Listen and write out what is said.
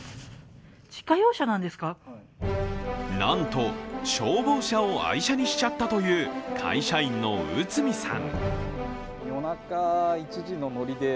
なんと消防車を愛車にしちゃったという会社員のうつみさん。